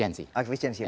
jadi dengan efisiensi